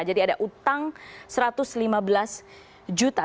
jadi ada utang satu ratus lima belas juta